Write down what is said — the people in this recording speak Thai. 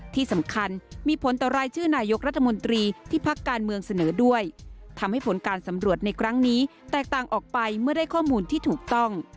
ที่สำคัญมีผลต่อรายชื่อนายกรัฐมนตรีที่พักการเมืองเสนอด้วยทำให้ผลการสำรวจในครั้งนี้แตกต่างออกไปเมื่อได้ข้อมูลที่ถูกต้อง